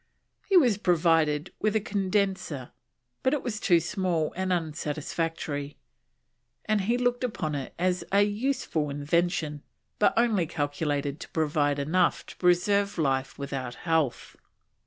He was provided with a condenser, but it was too small and unsatisfactory, and he looked upon it as "a useful invention, but only calculated to provide enough to preserve life without health."